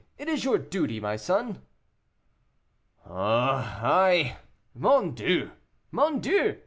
It is your duty, my son." "Oh I mon Dieu! mon Dieu!"